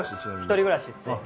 一人暮らしですね。